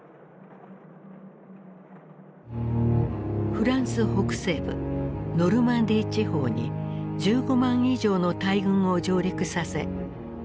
フランス北西部ノルマンディー地方に１５万以上の大軍を上陸させ一気にドイツまで進軍する。